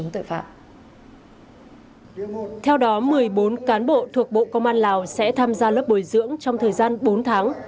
theo đó một mươi bốn cán bộ thuộc bộ công an lào sẽ tham gia lớp bồi dưỡng trong thời gian bốn tháng